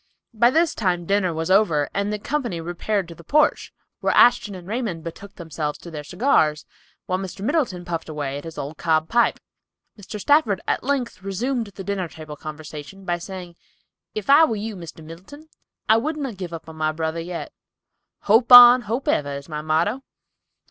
By this time dinner was over and the company repaired to the porch, where Ashton and Raymond betook themselves to their cigars, while Mr. Middleton puffed away at his old cob pipe. Mr. Stafford at length resumed the dinner table conversation by saying, "If I were you, Mr. Middleton, I would not give up my brother yet; 'Hope on, hope ever,' is my motto."